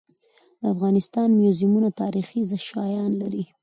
د افغانستان موزیمونه تاریخي شیان لري.